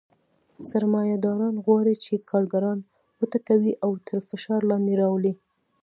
سرمایه داران غواړي چې کارګران وټکوي او تر فشار لاندې راولي